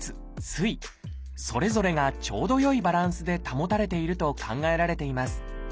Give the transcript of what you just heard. それぞれがちょうど良いバランスで保たれていると考えられています。